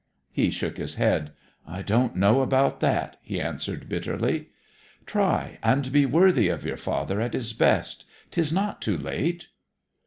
He shook his head. 'I don't know about that!' he answered bitterly. 'Try and be worthy of your father at his best. 'Tis not too late.'